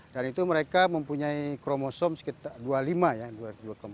dan itu mereka mempunyai kromosom sekitar dua puluh lima